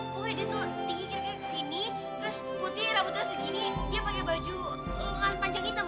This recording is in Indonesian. pokoknya dia tuh tinggi kiri kiri kesini terus putih rambutnya segini dia pake baju panjang hitam